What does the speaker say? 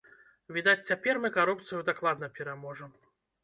Відаць, цяпер мы карупцыю дакладна пераможам?